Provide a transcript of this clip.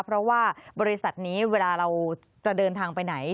เพราะว่าบริษัทนี้เวลาเราจะเดินทางไปไหน